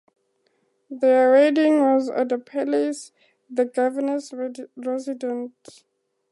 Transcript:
Their wedding was at the Palace, the governor's residence.